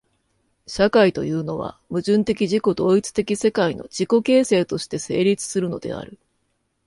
社会というのは、矛盾的自己同一的世界の自己形成として成立するのである。